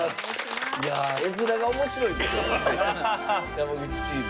いや絵面が面白いですよね